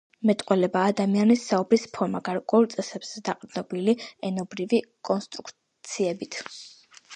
მეტყველება — ადამიანის საუბრის ფორმა გარკვეულ წესებზე დაყრდნობილი ენობრივი კონსტრუქციებით.